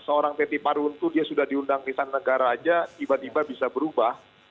seorang teti parwuntu dia sudah diundang ke nisan negara saja tiba tiba bisa berubah